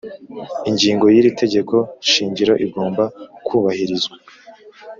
Ingingo yiri Tegeko shingiro igomba kubahirizwa